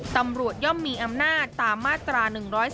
ตำรวจย่อมมีอำนาจตามมาตรา๑๓๑